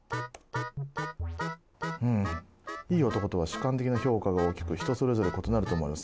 うん「『いい男』とは主観的な評価が大きく人それぞれ異なると思われます。